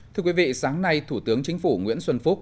thưa quý vị sáng nay thủ tướng chính phủ nguyễn xuân phúc